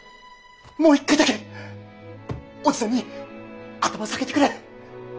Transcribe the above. もう一回だけおじさんに頭下げてくれん！